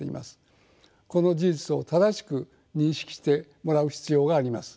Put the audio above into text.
この事実を正しく認識してもらう必要があります。